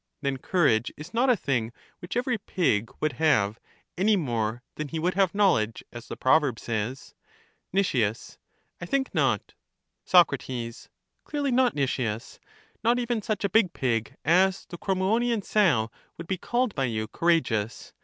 Then courage is not a thing which every pig would have, any more than he would have knowledge, as the proverb says? Nic. I think not. Soc. Clearly not, Nicias; not even such a big pig as the Crommyonian sow would be called by you courageous.